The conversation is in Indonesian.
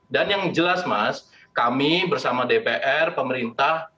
dan yang jelas mas kami bersama dpr pemerintah